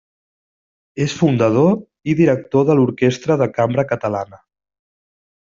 És fundador i director de l’Orquestra de Cambra Catalana.